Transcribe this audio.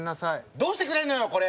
どうしてくれるのよこれ！